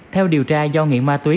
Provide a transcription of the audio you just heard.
theo điều tra do nguyễn ma túy